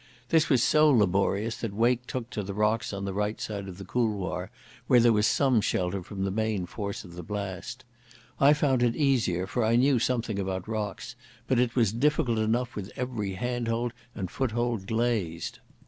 This was so laborious that Wake took to the rocks on the right side of the couloir, where there was some shelter from the main force of the blast. I found it easier, for I knew something about rocks, but it was difficult enough with every handhold and foothold glazed.